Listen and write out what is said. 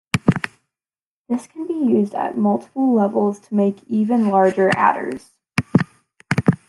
This can be used at multiple levels to make even larger adders.